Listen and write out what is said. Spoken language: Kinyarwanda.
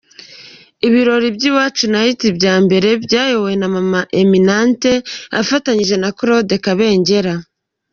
Ibirori bya Iwacu night bya mbere byayobowe na Mama Eminante afatanije na Claude Kabengera.